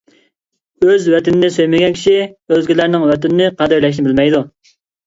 ئۆز ۋەتىنىنى سۆيمىگەن كىشى ئۆزگىلەرنىڭ ۋەتىنىنى قەدىرلەشنى بىلمەيدۇ.